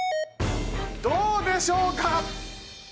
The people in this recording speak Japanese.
どうでしょうか？